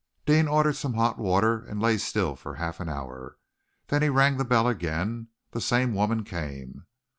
Deane ordered some hot water and lay still for half an hour. Then he rang the bell again. The same woman came.